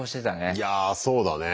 いやそうだね。